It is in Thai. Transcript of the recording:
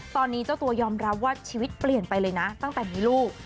ตอนนี้เจ้าตัวยอมรับว่าชีวิตเปลี่ยนไปเลยนะตั้งแต่มีลูก